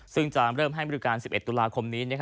ซึ่งจะเริ่มให้บริการ๑๑ตุลาคมนี้